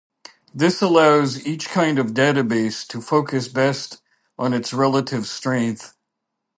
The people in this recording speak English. This allows each kind of database to focus best on its relative strength.